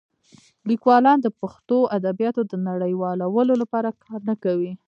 لیکوالان د پښتو ادبیاتو د نړیوالولو لپاره کار نه کوي.